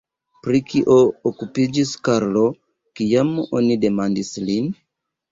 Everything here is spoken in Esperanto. Pri kio okupiĝis Karlo, kiam oni demandis lin?